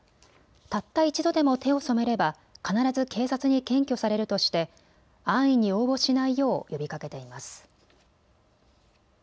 たった一度でも手を染めれば必ず警察に検挙されるとして安易に応募しないよう呼びかけています。